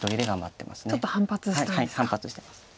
ちょっと反発してるんですか。